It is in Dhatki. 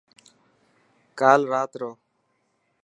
ڪال رات رو.